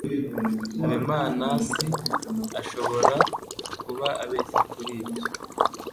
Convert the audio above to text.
Habimanaasi ashobora kuba abeshya kuri ibyo.